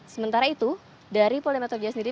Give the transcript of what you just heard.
sementara itu dari polda metro jaya sendiri